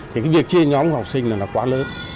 thì việc chia nhóm học sinh là quá lớn